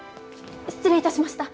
失礼いたしました。